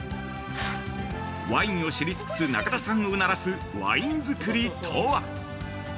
ワインを知り尽くす中田さんをうならすワインづくりとは！？